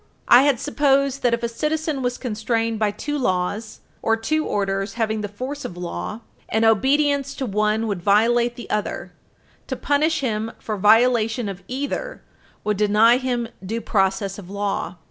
I had supposed that, if a citizen was constrained by two laws, or two orders having the force of law, and obedience to one would violate the other, to punish him for violation of either would deny him due process of law.